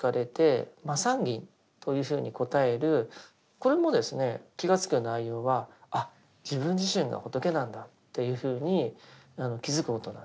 これもですね気が付くような内容はあっ自分自身が仏なんだっていうふうに気付くことなんです。